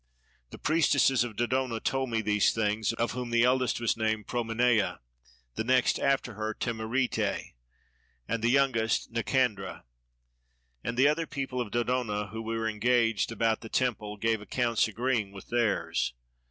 The priestesses of Dodona told me these things, of whom the eldest was named Promeneia, the next after her Timarete, and the youngest Nicandra; and the other people of Dodona who were engaged about the temple gave accounts agreeing with theirs.